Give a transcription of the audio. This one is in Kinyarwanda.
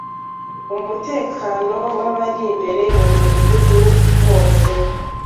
Umutekano w’abari imbere mu mudugudu bose